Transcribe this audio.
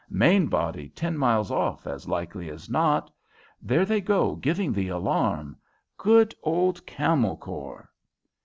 Main body ten miles off, as likely as not. There they go giving the alarm! Good old Camel Corps!"